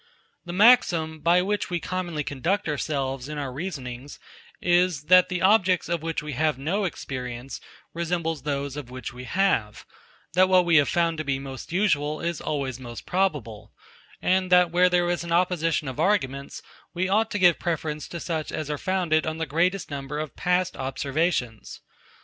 The maxim, by which we commonly conduct ourselves in our reasonings, is, that the objects, of which we have no experience, resembles those, of which we have; that what we have found to be most usual is always most probable; and that where there is an opposition of arguments, we ought to give the preference to such as are founded on the greatest number of past observations.